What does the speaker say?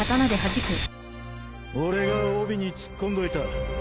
俺が帯に突っ込んどいた。